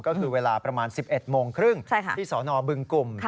ก็คือเวลาประมาณ๑๑โมงครึ่งที่สนบึงกลุ่ม